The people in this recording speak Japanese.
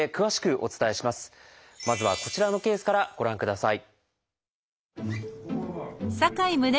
まずはこちらのケースからご覧ください。